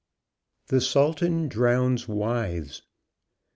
THE SULTAN DROWNS WIVES.